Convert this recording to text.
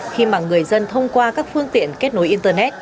khi mà người dân thông qua các phương tiện kết nối internet